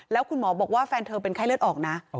แล้วคุณหมอบอกว่าแฟนเธอเป็นไข้เลือดออกนะ